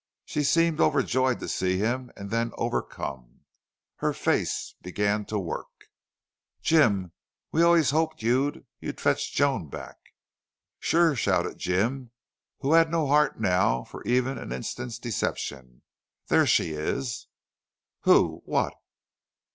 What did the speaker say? She seemed overjoyed to see him and then overcome. Her face began to work. "Jim! We always hoped you'd you'd fetch Joan back!" "Sure!" shouted Jim, who had no heart now for even an instant's deception. "There she is!" "Who?... What?"